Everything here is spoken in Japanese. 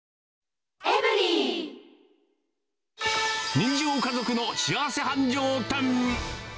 人情家族の幸せ繁盛店。